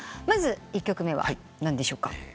まず１曲目は何でしょうか？